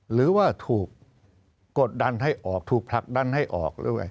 หรือว่าถูกกดดันให้ออกถูกผลักดันให้ออกด้วย